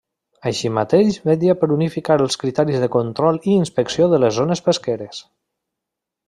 Així mateix vetlla per unificar els criteris de control i inspecció de les zones pesqueres.